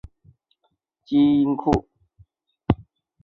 种群的个体之间一般享有同一个基因库。